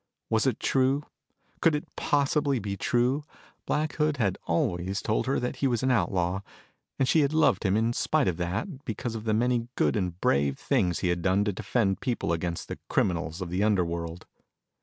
Was it true? Could it possibly be true? Black Hood had always told her that he was an outlaw, and she had loved him in spite of that because of the many good and brave things he had done to defend people against the criminals of the underworld.